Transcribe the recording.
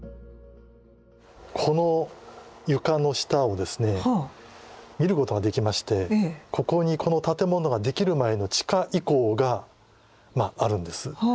この床の下をですね見ることができましてここにこの建物ができる前の地下遺構があるんです。